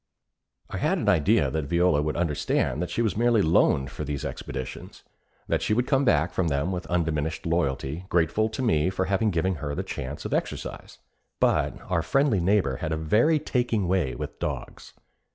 I had an idea that Viola would understand that she was merely loaned for these expeditions; that she would come back from them with undiminished loyalty, grateful to me for having given her a chance for exercise. But our friendly neighbor had a very taking way with dogs.